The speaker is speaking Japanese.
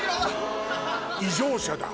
異常者だ。